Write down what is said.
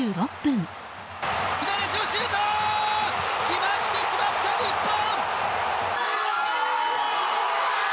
決まってしまった、日本！